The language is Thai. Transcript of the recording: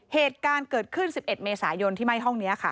เหตุการณ์เกิดขึ้น๑๑เมษายนที่ไหม้ห้องนี้ค่ะ